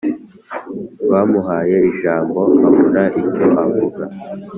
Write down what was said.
bamuhaye ijambo abura icyo avuga